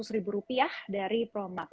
seratus ribu rupiah dari promak